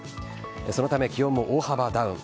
そのため、気温は大幅ダウン。